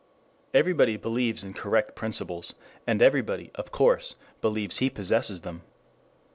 Everybody believes in correct principles, and everybody, of course, believes he possesses them.